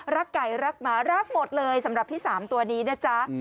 รักไก่รักหมารักหมดเลยสำหรับที่๓ตัวนี้นะจ๊ะ